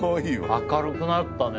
明るくなったね